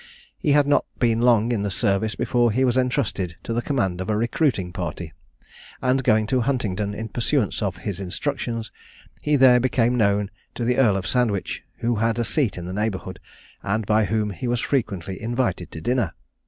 He had not been long in the service before he was entrusted with the command of a recruiting party, and going to Huntingdon, in pursuance of his instructions, he there became known to the Earl of Sandwich, who had a seat in the neighbourhood, and by whom he was frequently invited to dinner.